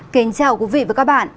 kính chào quý vị và các bạn